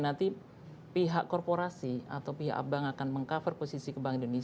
nanti pihak korporasi atau pihak bank akan meng cover posisi ke bank indonesia